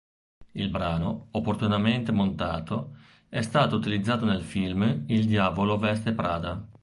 Il brano, opportunamente montato, è stato utilizzato nel film Il Diavolo Veste Prada